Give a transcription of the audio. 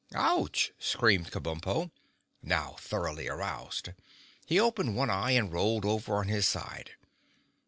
_" "Ouch!" screamed Kabumpo, now thoroughly aroused. He opened one eye and rolled over on his side.